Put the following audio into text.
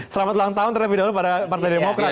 selamat ulang tahun terlebih dahulu pada partai demokrat